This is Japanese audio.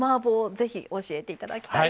ぜひ教えて頂きたいです。